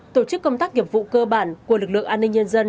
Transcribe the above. tổ chức công tác nghiệp vụ cơ bản của lực lượng an ninh nhân dân